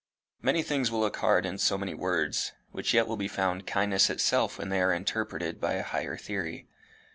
"Many things will look hard in so many words, which yet will be found kindness itself when they are interpreted by a higher theory.